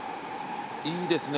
いいですね